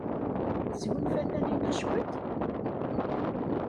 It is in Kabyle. Tesgunfa Taninna cwiṭ?